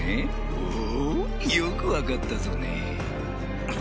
ほうよく分かったぞね